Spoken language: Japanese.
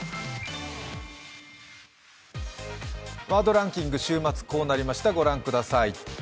「ワードランキング」週末こうなりました、御覧ください。